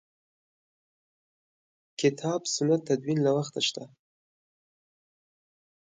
کتاب سنت تدوین له وخته شته.